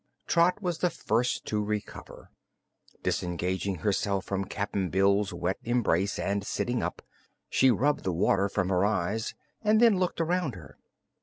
Trot was the first to recover. Disengaging herself from Cap'n Bill's wet embrace and sitting up, she rubbed the water from her eyes and then looked around her.